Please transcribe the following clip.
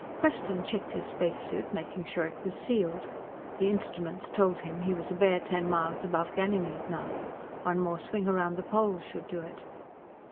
Preston checked his spacesuit, making sure it was sealed. The instruments told him he was a bare ten miles above Ganymede now. One more swing around the poles would do it.